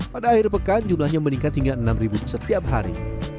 pada akhir pekan jumlahnya meningkat hingga enam setiap hari